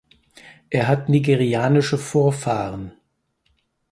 Er hat nigerianische Vorfahren.